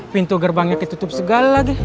pintu gerbangnya ditutup segala deh